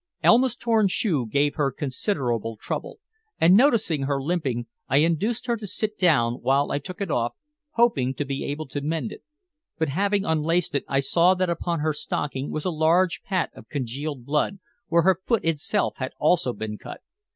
Elma's torn shoe gave her considerable trouble, and noticing her limping, I induced her to sit down while I took it off, hoping to be able to mend it, but, having unlaced it, I saw that upon her stocking was a large patch of congealed blood, where her foot itself had also been cut.